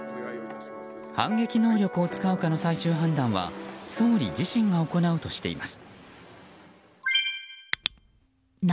反撃能力を使うかの最終判断は総理自身が行うとしています。